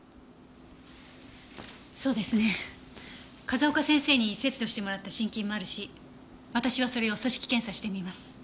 そうですね風丘先生に切除してもらった心筋もあるし私はそれを組織検査してみます。